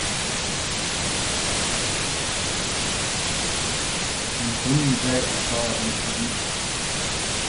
Men kun n dag, og så er alt forbi